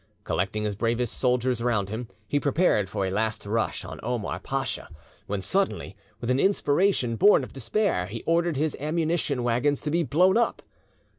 Collecting his bravest soldiers round him, he prepared for a last rush on Omar Pacha; when, suddenly, with an inspiration born of despair, he ordered his ammunition waggons to be blown up.